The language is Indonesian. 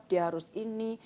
dia harus ini